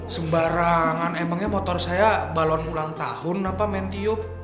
sembarangan emangnya motor saya balon ulang tahun apa main tiup